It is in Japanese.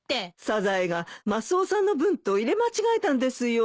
サザエがマスオさんの分と入れ間違えたんですよ。